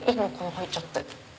入っちゃって。